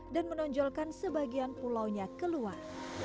dan menonjolkan sebagian pulaunya keluar